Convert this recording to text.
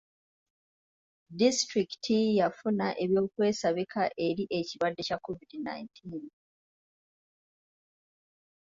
Disitulikiti yafuna eby'okwesabika eri ekirwadde kya covid.